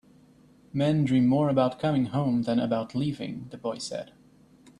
"Men dream more about coming home than about leaving," the boy said.